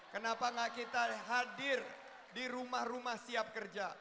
kenapa gak kita hadir di rumah rumah siap kerja